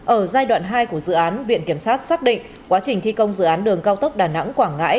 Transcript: ở giai đoạn hai của dự án viện kiểm sát xác định quá trình thi công dự án đường cao tốc đà nẵng quảng ngãi